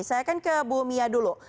saya akan ke bu mia dulu